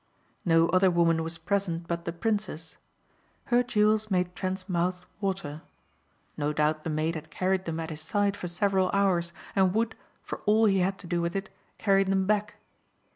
No other woman was present but the princess. Her jewels made Trent's mouth water. No doubt the maid had carried them at his side for several hours and would, for all he had to do with it, carry them back.